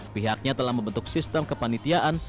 pihaknya telah membentuk sistem kepanitiaan